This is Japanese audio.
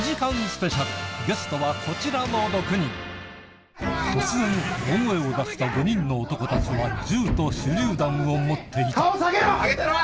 スペシャルゲストはこちらの６人突然大声を出した５人の男たちは銃と手りゅう弾を持っていた顔下げろ！